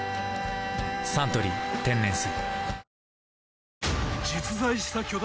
「サントリー天然水」